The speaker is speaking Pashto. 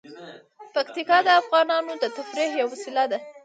پکتیکا د افغانانو د تفریح یوه وسیله ده.